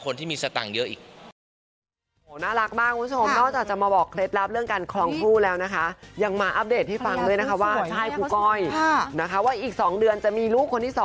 คนที่มีสตังค์เยอะอีก